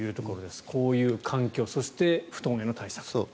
こういう環境そして、布団への対策。